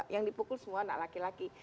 yang dipukul semua anak laki laki